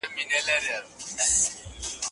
تر وروستي حده ولاړ پاتې شه.